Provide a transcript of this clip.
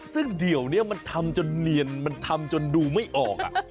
ซึ่งเดี๋ยวเนี่ยมันทำจนเนียนดูไม่ออก